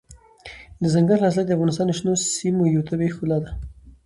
دځنګل حاصلات د افغانستان د شنو سیمو یوه طبیعي ښکلا ده.